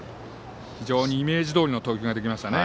非常にイメージどおりの投球ができましたね。